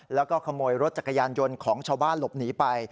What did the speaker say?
แล้วก็ขโมยรถจักรยานยนต์ของชาวบ้านหลบหนีไป